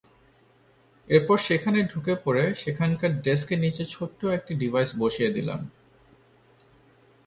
এরপর সেখানে ঢুকে পড়ে সেখানকার ডেস্কের নিচে ছোট্ট একটি ডিভাইস বসিয়ে দিলাম।